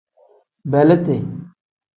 Beleeti.